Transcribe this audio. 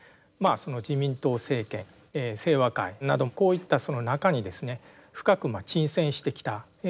自民党政権清和会などこういったその中にですね深く沈潜してきたわけなんですね。